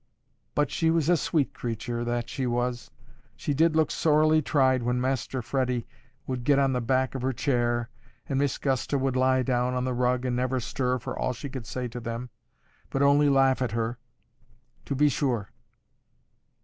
But she was a sweet creature, that she was. She did look sorely tried when Master Freddy would get on the back of her chair, and Miss Gusta would lie down on the rug, and never stir for all she could say to them, but only laugh at her.—To be sure!